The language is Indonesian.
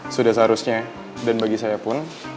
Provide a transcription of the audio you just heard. sudah seharusnya dan bagi saya pun